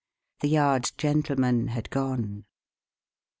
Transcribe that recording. The Yard's Gentleman had gone.